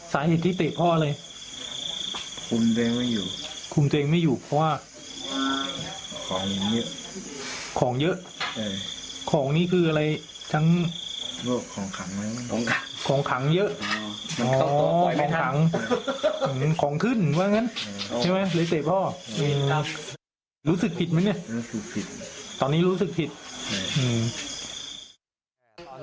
สาเหตุที่เตะพ่ออะไรคุมตัวเองไม่อยู่คุมตัวเองไม่อยู่เพราะว่าของเยอะของเยอะใช่ของนี่คืออะไรทั้งว่าของขังของขังเยอะอ๋อของขังของขึ้นว่างั้นใช่ไหมเลยเตะพ่ออืมรู้สึกผิดไหมเนี้ยรู้สึกผิดตอนนี้รู้สึกผิดอืม